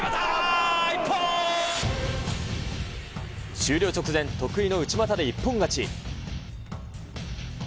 終了直前、得意の内またで一本勝ち。